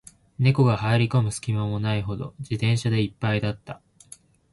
猫が入る込む隙間もないほど、自転車で一杯だった